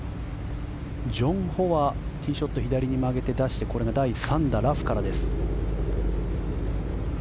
ジョン・ホはティーショット左に曲げて出してこれが第３打ラフからです。